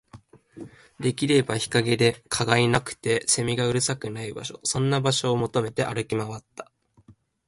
できれば日陰で、蚊がいなくて、蝉がうるさくない場所、そんな場所を求めて歩き回った